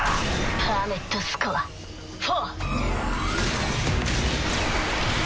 パーメットスコア４。